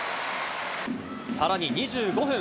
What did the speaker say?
さらに２５分。